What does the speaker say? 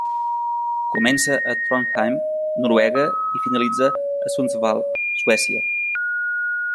Comença a Trondheim, Noruega i finalitza a Sundsvall, Suècia.